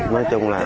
nói chung là